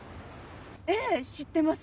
ええ知ってます。